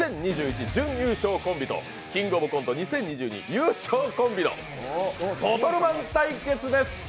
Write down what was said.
準優勝コンビと「キングオブコント２０２２」優勝コンビのボトルマン対決です